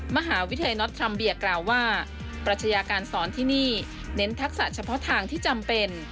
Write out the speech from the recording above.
มหาวิทยาลัยน็อตทรัมเบียกล่าวว่าปรัชญาการสอนที่นี่เน้นทักษะเฉพาะทางที่จำเป็น